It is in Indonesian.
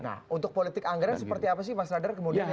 nah untuk politik anggaran seperti apa sih mas radar kemudian ya